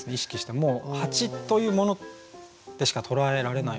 もう蜂というものでしか捉えられないので。